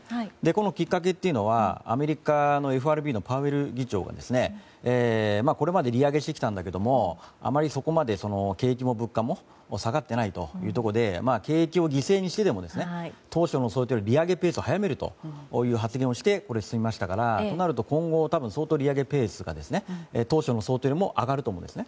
このきっかけはアメリカのＦＲＢのパウエル議長がこれまで利上げしてきたんだけどあまり、そこまで景気も物価も下がっていないというところで景気を犠牲にしてでも当初の想定より利上げペースを速めるという発言をしてそれで進みましたから今後は相当利上げペースが当初の想定よりも上がると思います。